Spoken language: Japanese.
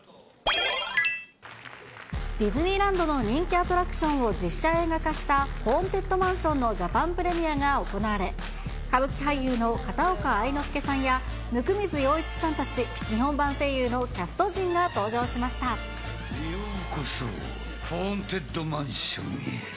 ディズニーランドの人気アトラクションを実写映画化したホーンテッドマンションのジャパンプレミアが行われ、歌舞伎俳優の片岡愛之助さんや温水洋一さんたち、日本版声優のキようこそ、ホーンテッドマンションへ。